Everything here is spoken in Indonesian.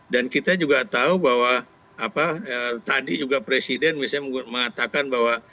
dan kita juga tahu bahwa apa tadi juga presiden misalnya mengatakan bahwa